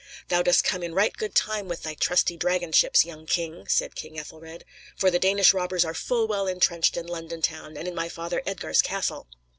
"Thou dost come in right good time with thy trusty dragon ships, young king," said King Ethelred; "for the Danish robbers are full well entrenched in London town and in my father Edgar's castle."